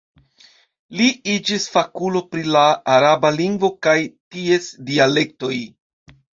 Li iĝis fakulo pri la araba lingvo kaj ties dialektoj.